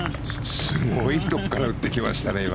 すごいところから打ってきましたね、今。